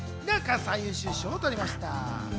最優秀賞を取りました。